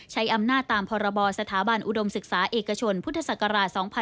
ใช้อำนาจตามภบศอุดมศึกษาเอกชนวธศกร๒๕๔๖